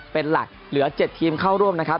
เป็นหลักเหลือ๗ทีมเข้าร่วมนะครับ